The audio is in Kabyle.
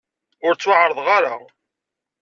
Ur ttwaɛerḍeɣ ara.